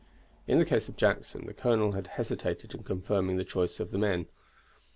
In the case of Jackson, the colonel had hesitated in confirming the choice of the men.